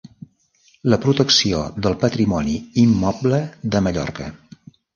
La protecció del patrimoni immoble de Mallorca.